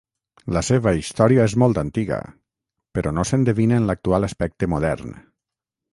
La seva història és molt antiga, però no s'endevina en l'actual aspecte modern.